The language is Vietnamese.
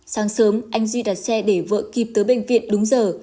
sáng sớm anh duy đặt xe để vợ kịp tới bệnh viện đúng giờ